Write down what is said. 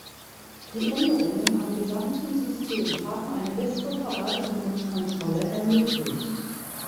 Die Änderungen am gesamten System haben eine bessere Verwaltung und Kontrolle ermöglicht.